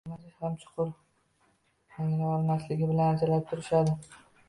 oziqlantirishini ham chuqur anglay olmasligi bilan ajralib turishadi.